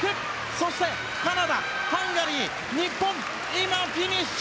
そして、カナダ、ハンガリー日本、フィニッシュ！